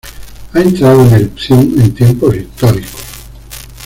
Ha entrado en erupción en tiempos históricos.